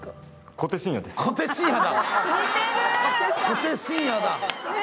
小手伸也だ！